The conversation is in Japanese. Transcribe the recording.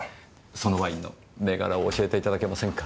そのワインの銘柄を教えていただけませんか？